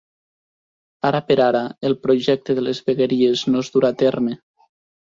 Ara per ara el projecte de les vegueries no es durà a terme.